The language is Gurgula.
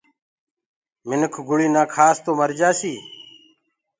انسآن گُݪي نآ کآس تو مرجآسي